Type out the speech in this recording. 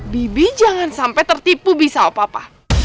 bibi jangan sampai tertipu bisa papa